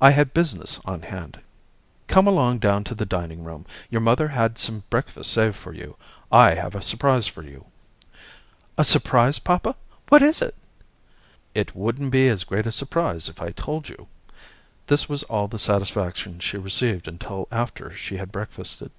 "I had business on hand. Come along down to the dining room. Your mother had some breakfast saved for you. I have a surprise for you." "A surprise, papa? What is it?" "It wouldn't be as great a surprise if I told you." This was all the satisfaction she received until after she had breakfasted.